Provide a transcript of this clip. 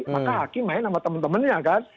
maka hakim main sama temen temennya kan